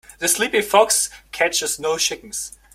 The sleepy fox catches no chickens.